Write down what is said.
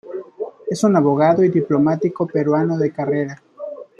Es un abogado y diplomático peruano de carrera.